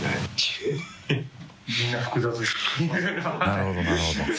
なるほどなるほど。